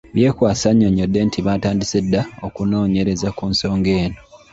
Byekwaso annyonnyodde nti baatandise dda okunoonyereza ku nsonga eno .